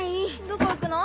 どこ行くの？